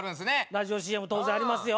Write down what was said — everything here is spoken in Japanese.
ラジオＣＭ当然ありますよ。